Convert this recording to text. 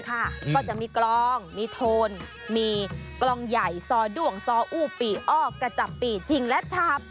ก็จะมีกลองมีโทนมีกลองใหญ่ซอด้วงซออู้ปีอ้อกระจับปี่ชิงและทับ